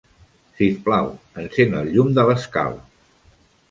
Sisplau, encén el llum de l'escala.